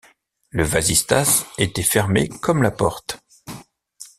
Le vasistas était fermé comme la porte.